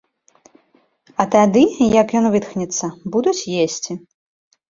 А тады, як ён вытхнецца, будуць есці.